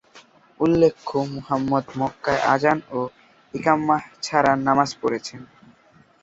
উল্লেখ্য মুহাম্মাদ মক্কায় আযান ও ইক্বামাহ্ ছাড়া নামাজ পড়েছেন।